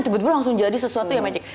tiba tiba langsung jadi sesuatu ya magic